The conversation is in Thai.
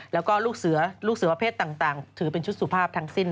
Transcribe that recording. แล้วก็ลูกเสือวาเพศต่างถือเป็นชุดสุภาพทั้งสิ้น